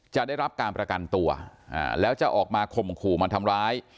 จะได้รับการประกันตัวแล้วจะออกมาข่มขู่มาทำร้าย